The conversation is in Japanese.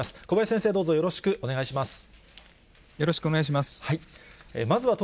小林先生、どうぞよろしくお願いいたします。